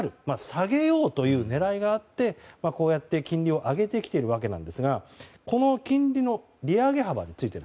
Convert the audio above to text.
下げようという狙いがあってこうやって金利を上げてきているわけなんですがこの金利の利上げ